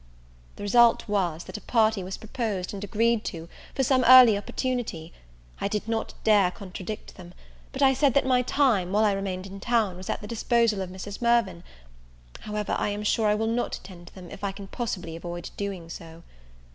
The result was, that a party was proposed, and agreed to, for some early opportunity. I did not dare contradict them; but I said that my time, while I remained in town, was at the disposal of Mrs. Mirvan. However, I am sure I will not attend them, if I can possibly avoid doing so.